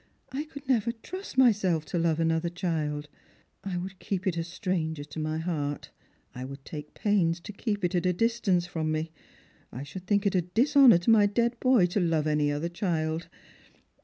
I could never trust myself to love another child. I would keep it a stranger to my heart. I would take pains to keep it at a distance from me. I should think it a dishonour to my dead boy to love any other child.